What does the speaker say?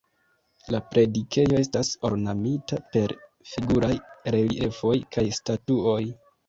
La predikejo estas ornamita per figuraj reliefoj kaj statuoj.